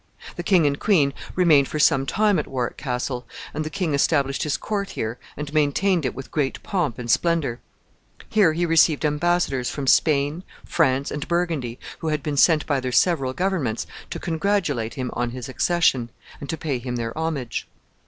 The king and queen remained for some time at Warwick Castle, and the king established his court here, and maintained it with great pomp and splendor. Here he received embassadors from Spain, France, and Burgundy, who had been sent by their several governments to congratulate him on his accession, and to pay him their homage.